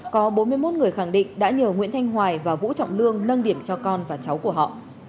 có bốn mươi một người khẳng định đã nhờ nguyễn thanh hoài và vũ trọng lương nâng điểm cho con và cháu của họ